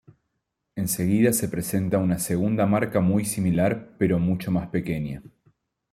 En seguida se presenta una segunda marca muy similar pero mucho más pequeña.